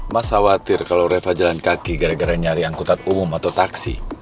masa khawatir kalau reva jalan kaki gara gara nyari angkutan umum atau taksi